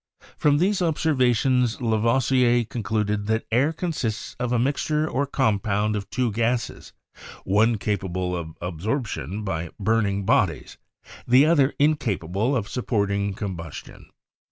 From these observations, Lavoisier concluded that air consists of a mixture or compound of two gases, one capable of absorption by burning bodies, the other inca pable of supporting combustion.